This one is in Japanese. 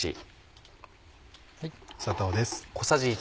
砂糖です。